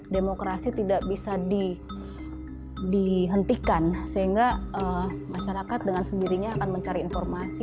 demokrasi tidak bisa dihentikan sehingga masyarakat dengan sendirinya akan mencari informasi